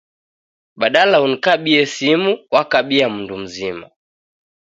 Badala unikabie simu w'akabia mundu mzima